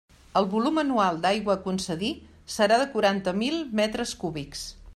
El volum anual d'aigua a concedir serà de quaranta mil metres cúbics.